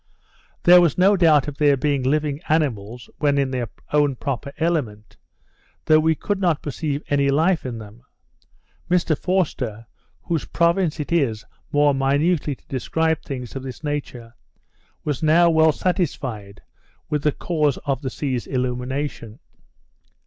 There was no doubt of their being living animals, when in their own proper element, though we could not perceive any life in them: Mr Forster, whose province it is more minutely to describe things of this nature, was now well satisfied with the cause of the sea's illumination.